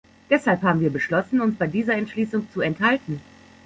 Deshalb haben wir beschlossen, uns bei dieser Entschließung zu enthalten.